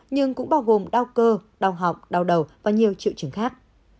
nhưng cũng bao gồm đau cơ đau họng đau đầu và nhiều triệu chứng khác